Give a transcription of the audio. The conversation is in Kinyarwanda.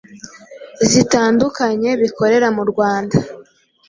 zitandukanye bikorera mu Rwanda